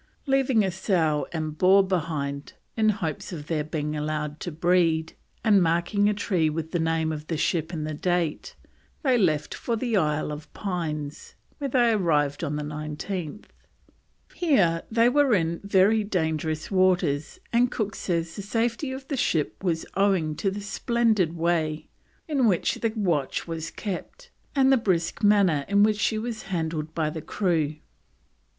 Leaving a sow and boar behind, in hopes of their being allowed to breed, and marking a tree with the name of the ship and the date, they left for the Isle of Pines, where they arrived on the 19th. Here they were in very dangerous waters, and Cook says the safety of the ship was owing to the splendid way in which the watch was kept, and the brisk manner in which she was handled by the crew.